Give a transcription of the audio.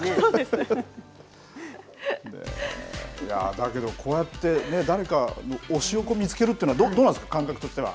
だけど、こうやって誰か、推しを見つけるっていうのは、どうなんですか、感覚としては。